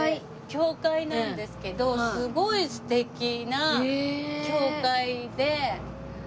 教会なんですけどすごい素敵な教会で。